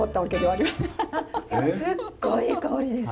あっすっごいいい香りです。